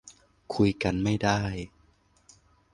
คุยกันไม่ได้